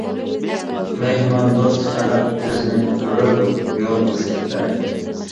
مېھماندوست خەلق بىزنى كۆرۈپ يول بوشىتىپ بەردى.